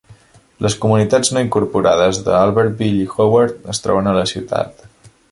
Les comunitats no incorporades de Albertville i Howard es troben a la ciutat.